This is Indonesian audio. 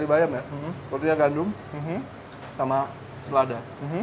berarti ada gandum sama lada